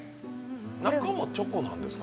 中もチョコなんですか？